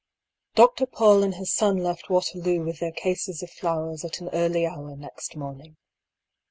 Dr. Paull and his son left Waterloo with their cases of flowers at an early hour next morning.